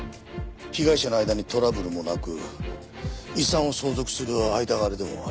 被害者の間にトラブルもなく遺産を相続する間柄でもありません。